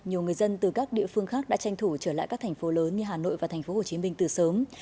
nhiều người dân từ các địa phương khác đã tranh thủ trở lại các thành phố lớn như hà nội và tp hcm từ sớm